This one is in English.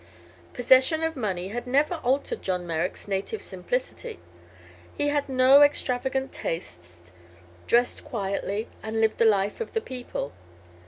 Possession of money had never altered John Merrick's native simplicity. He had no extravagant tastes, dressed quietly and lived the life of the people.